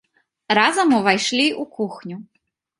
Разам увайшлі ў кухню.